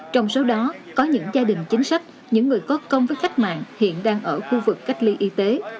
trong số đó có những gia đình chính sách những người có công với cách mạng hiện đang ở khu vực cách ly y tế